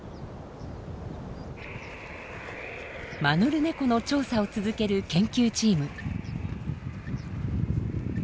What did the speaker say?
マヌルネコの調査を続ける研究チーム。